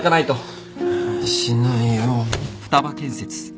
しないよ。